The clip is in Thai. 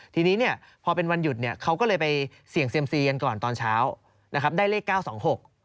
ทีนี้เนี่ยพอเป็นวันหยุดเนี่ยเขาก็เลยไปเสี่ยงเซียมซีกันก่อนตอนเช้านะครับได้เลขเก้าสองหก